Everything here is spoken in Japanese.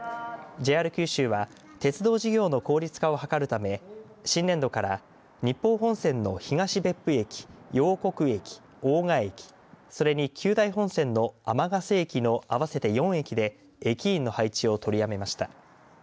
ＪＲ九州は鉄道事業の効率化を図るため新年度から日豊本線の東別府駅、暘谷駅、大神駅、それに久大本線の天ヶ瀬駅の合わせて４駅で駅員の配置を取りやめました。